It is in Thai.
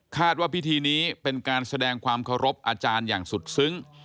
ว่าพิธีนี้เป็นการแสดงความเคารพอาจารย์อย่างสุดซึ้ง